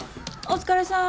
お疲れさん。